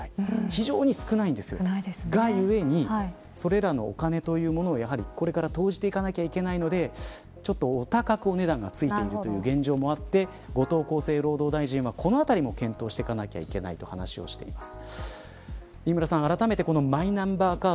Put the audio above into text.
非常に少ないがゆえにそれらのお金というものをこれから投じていかなければいけないので、ちょっとお高くお値段がついているという現状もあって後藤厚生労働大臣はこのあたりも検討していかなければいけないと話しています。